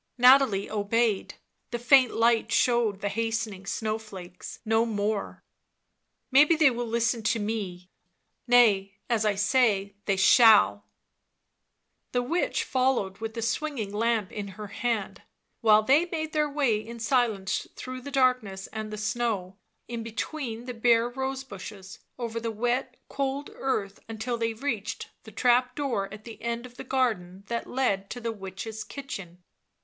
Nathalie obeyed; the faint light showed the hastening snowflakes, no more. Digitized by UNIVERSITY OF MICHIGAN Original from UNIVERSITY OF MICHIGAN 160 BLACK MAGIC " Maybe they will listen to me, nay, as I say, they shall" The witch followed with the swinging lamp in her hand, while they made their way in silence through the darkness and the snow, in between the bare rose bushes, over the wet, cold earth until they reached the trap door at the end of the garden that led to the witch's kitchen.